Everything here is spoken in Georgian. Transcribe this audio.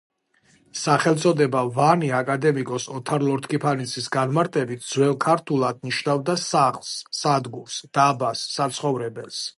სახელწოდება „ვანი“ აკადემიკოს ოთარ ლორთქიფანიძის განმარტებით, ძველ ქართულად ნიშნავდა „სახლს“, „სადგურს“, „დაბას“, „საცხოვრებელს“.